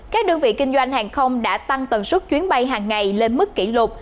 các đơn vị kinh doanh hàng không đã tăng tần suất chuyến bay hàng ngày lên mức kỷ lục